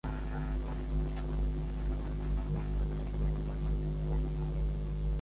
অর্ধেকও পোড়ে নাই সিগারেটটা, ঘুম হইতে উঠিয়া কুমুদ আবার খাইতে পরিবে।